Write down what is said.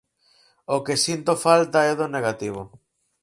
O que sinto falta é do negativo.